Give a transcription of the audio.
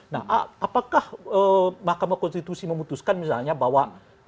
nah apakah mahkamah konstitusi memutuskan misalnya bahwa